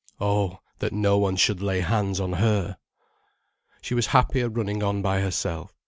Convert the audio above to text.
Oh, that no one should lay hands on her! She was happier running on by herself.